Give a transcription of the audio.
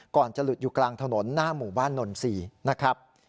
ก่อนจะหลุดอยู่กลางถนนหน้าหมู่บ้านนนท์๔